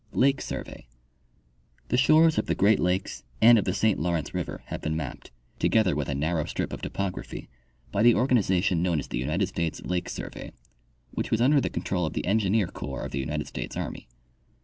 Lake Survey. — The shores of the Great lakes and of the St Law rence river have been mapped, together with a narrow strip of topography, by the organization knoAvn as the United States Lake survey, which was under the control of the Engineer corps of the United States army.